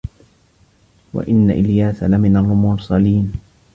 وَإِنَّ إِلياسَ لَمِنَ المُرسَلينَ